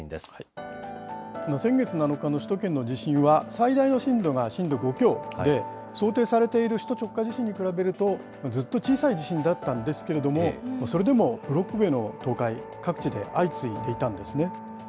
先月７日の首都圏の地震は、最大の震度が、震度５強で、想定されている首都直下地震に比べると、ずっと小さい地震だったんですけれども、それでも、ブロック塀の倒壊、各地で相次いでいたんですね。